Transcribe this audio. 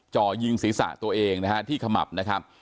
จ่อยิงศีรษะตัวเองนะฮะที่ขมับนะครับ